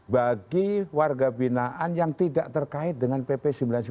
bagi warga binaan yang tidak terkait dengan pp sembilan puluh sembilan